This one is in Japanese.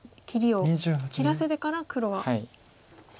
切りを切らせてから黒は。